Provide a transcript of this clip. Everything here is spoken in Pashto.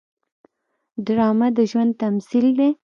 ډرامه د ژوند تمثیل دی